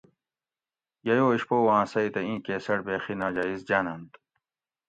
ییٔو اشپوؤاں سیتہ ایں کیسٹ بیخی ناجائز جاننت